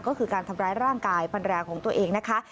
ก็คือการทำร้ายร่างกายภรรยาของตัวเองนะคะ